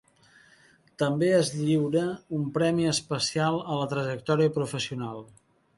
També es lliura un premi especial a la trajectòria professional.